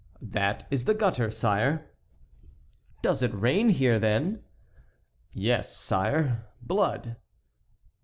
"That is the gutter, sire." "Does it rain here, then?" "Yes, sire, blood."